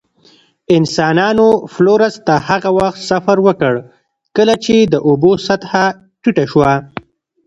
انسانانو فلورس ته هغه وخت سفر وکړ، کله چې د اوبو سطحه ټیټه شوه.